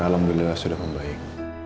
alhamdulillah sudah membaik